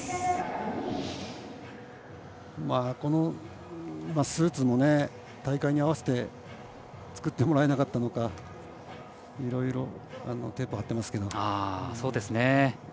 このスーツも大会に合わせて作ってもらえなかったのかいろいろテープを貼ってますけど。